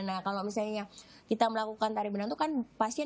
nah kalau misalnya kita melakukan tari benang itu kan pasien